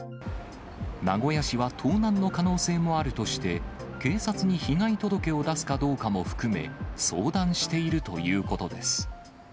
名古屋市は盗難の可能性もあるとして、警察に被害届を出すかどうかも含め、相談しているということです。